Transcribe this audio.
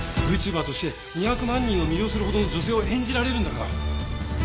Ｖチューバーとして２００万人を魅了するほどの女性を演じられるんだから。